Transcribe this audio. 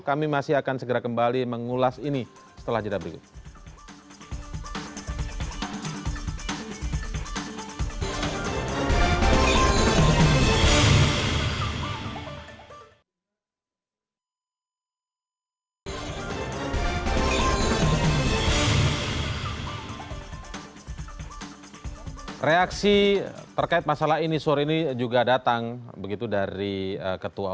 kami masih akan segera kembali mengulas ini setelah jadwal berikut